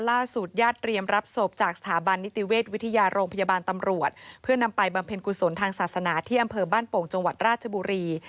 ญาติเตรียมรับศพจากสถาบันนิติเวชวิทยาโรงพยาบาลตำรวจเพื่อนำไปบำเพ็ญกุศลทางศาสนาที่อำเภอบ้านโป่งจังหวัดราชบุรี